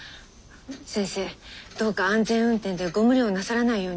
先生どうか安全運転でご無理をなさらないように。